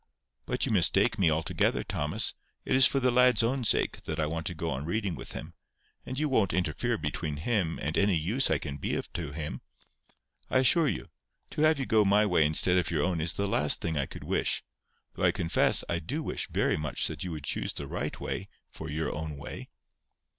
"But you mistake me altogether, Thomas. It is for the lad's own sake that I want to go on reading with him. And you won't interfere between him and any use I can be of to him. I assure you, to have you go my way instead of your own is the last thing I could wish, though I confess I do wish very much that you would choose the right way for your own way."